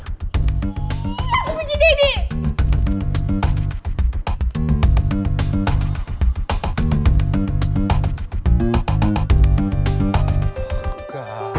ya aku puji daddy